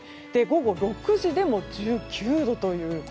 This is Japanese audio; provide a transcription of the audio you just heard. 午後６時でも１９度という。